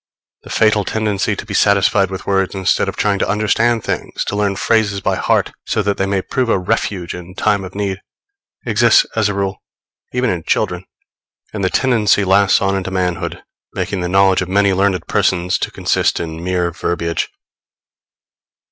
The fatal tendency to be satisfied with words instead of trying to understand things to learn phrases by heart, so that they may prove a refuge in time of need, exists, as a rule, even in children; and the tendency lasts on into manhood, making the knowledge of many learned persons to consist in mere verbiage.